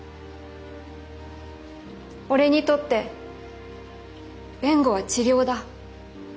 「俺にとって弁護は治療だ。